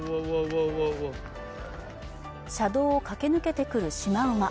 車道を駆け抜けてくるシマウマ。